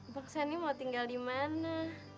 bang sani mau tinggal dimana